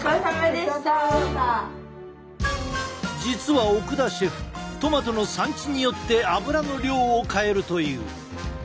実は奥田シェフトマトの産地によって油の量を変えるという。